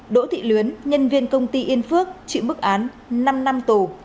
đỗ thị luyến nhân viên công ty yên phước chịu mức án năm năm tù